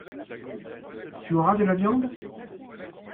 Tu auras de la viande ?